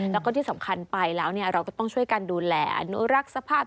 แล้วก็ที่สำคัญไปแล้วเราก็ต้องช่วยกันดูแลอนุรักษ์สภาพ